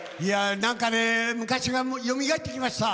なんか昔がよみがえってきました。